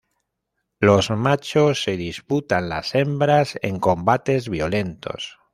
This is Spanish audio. Los machos se disputan las hembras en combates violentos.